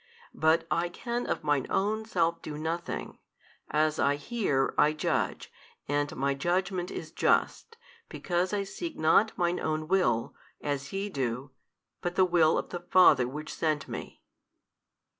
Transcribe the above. But I can of Mine Own Self do nothing; as I hear, I judge, and My Judgment is just, because I seek not Mine Own Will, as ye do, but the Will of the Father Which sent Me.